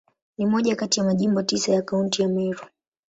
Ni moja kati ya Majimbo tisa ya Kaunti ya Meru.